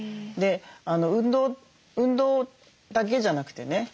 で運動だけじゃなくてね